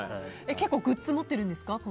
結構、グッズ持っていますか。